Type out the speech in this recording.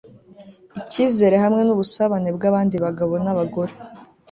ikizere hamwe nubusabane bwabandi bagabo nabagore